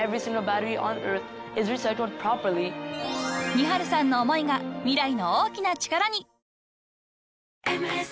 ［ニハルさんの思いが未来の大きな力に］